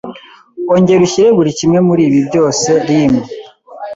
Ongera ushyire buri kimwe muribi byose ream